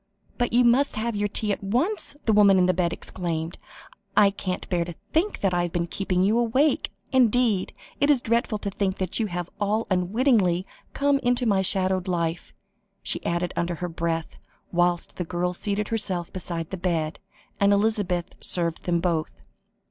but you must have your tea at once," the woman in the bed exclaimed. "I can't bear to think I have been keeping you awake; indeed, it is dreadful to think that you have all unwittingly come into my shadowed life," she added under her breath, whilst the girl seated herself beside the bed; and Elizabeth served them both.